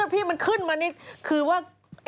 พี่มันขึ้นมานี่คือว่า